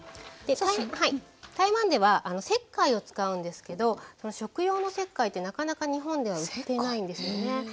台湾では石灰を使うんですけど食用の石灰ってなかなか日本では売ってないんですよね。